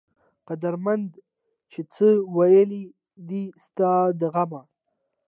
قدرمند چې څۀ وئيل دي ستا د غمه